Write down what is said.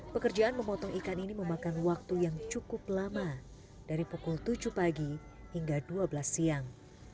pekerjaan memotong ikan ini memakan waktu yang cukup lama dari pukul tujuh pagi hingga dua belas siang